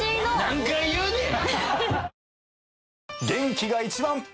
何回言うねん！